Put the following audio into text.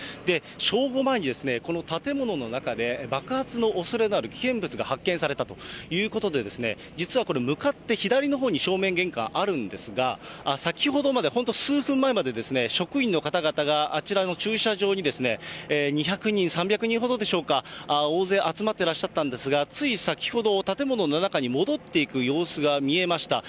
正午前に、この建物の中で爆発のおそれのある危険物が発見されたということで、実はこれ、向かって左のほうに正面玄関、あるんですが、先ほどまで、本当、数分前まで、職員の方々があちらの駐車場に、２００人、３００人ほどでしょうか、大勢集まってらっしゃったんですが、つい先ほど、建物の中に戻っていく様子が見えました。